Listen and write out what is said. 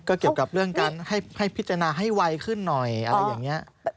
ก็เกี่ยวกับเรื่องการให้พิจารณาให้ไวขึ้นหน่อยอะไรอย่างนี้